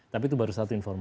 tapi itu baru satu informasi